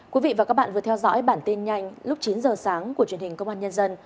quý vị và các bạn vừa theo dõi bản tin nhanh lúc chín giờ sáng của truyền hình công an nhân dân